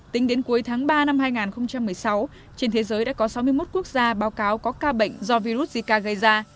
tính đến cuối tháng ba năm hai nghìn một mươi sáu trên thế giới đã có sáu mươi một quốc gia báo cáo có ca bệnh do virus zika gây ra